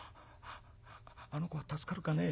あの子は助かるかね？」。